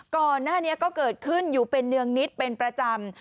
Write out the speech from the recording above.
ก่อนหน้านี้ก็เกิดขึ้นอยู่เป็นเนืองนิดเป็นประจำ